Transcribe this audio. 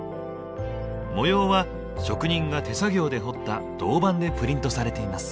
模様は職人が手作業で彫った銅板でプリントされています。